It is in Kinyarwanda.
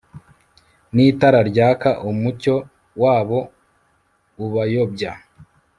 n'itara ryaka, umucyo wabo ubayobya